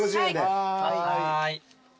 はい。